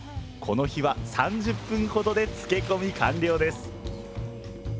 この日は３０分ほどでつけ込み完了です。